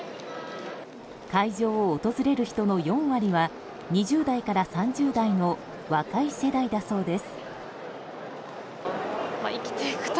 会場を訪れる人の４割は２０代から３０代の若い世代だそうです。